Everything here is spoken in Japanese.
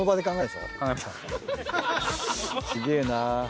すげえなぁ。